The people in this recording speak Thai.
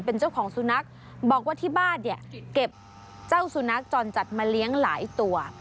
เป็นเจ้าของสุนัขบอกว่าที่บ้านเนี่ยเก็บเจ้าสุนัขจรจัดมาเลี้ยงหลายตัว